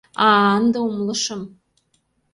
А-а-а, ынде умылышым.